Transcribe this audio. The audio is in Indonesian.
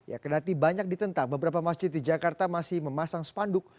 ya kedati banyak ditentang beberapa masjid di jakarta masih memasang spanduk